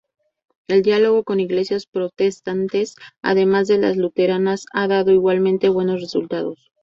El diálogo con Iglesias protestantes además de las luteranas ha dado igualmente buenos resultados.